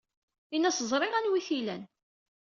Ini-as ẓriɣ anwa ay tt-ilan.